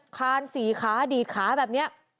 คานสี่ขาดีดขาแบบนี้